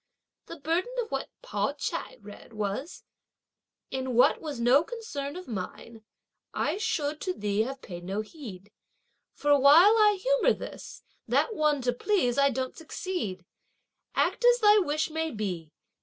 The burden of what Pao ch'ai read was: In what was no concern of mine, I should to thee have paid no heed, For while I humour this, that one to please I don't succeed! Act as thy wish may be!